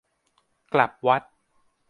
กลับวัด